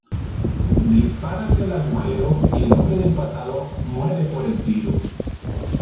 Dispara hacia el agujero y el hombre del pasado muere por el tiro.